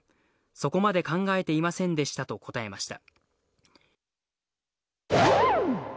そこまで考えていませんでしたとうわひどくなった！